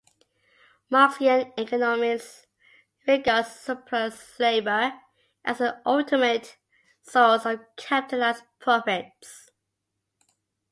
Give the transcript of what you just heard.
Marxian economics regards surplus labour as the ultimate source of capitalist profits.